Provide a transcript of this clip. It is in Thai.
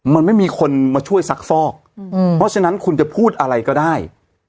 มันไม่มีคนมาช่วยซักฟอกเพราะฉะนั้นคุณจะพูดอะไรก็ได้